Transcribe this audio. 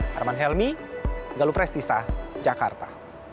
harman helmy galuh prestisa jakarta